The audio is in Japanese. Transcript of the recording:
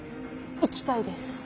行きたいです。